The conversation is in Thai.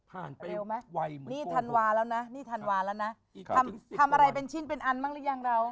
พันไปวัยหมดกว่านี่ถันวาแล้วนะทำอะไรเป็นชิ้นเป็นอันบ้างรึยังเรา